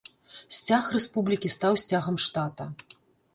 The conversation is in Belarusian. Сцяг рэспублікі стаў сцягам штата.